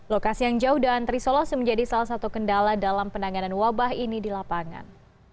lokasi yang jauh dan terisolasi menjadi salah satu kendala dalam penanganan wabah ini di lapangan